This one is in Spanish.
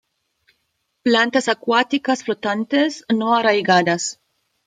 Plantas acuáticas flotantes, no arraigadas.